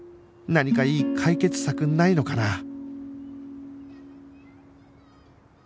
何かいい解決策ないのかな？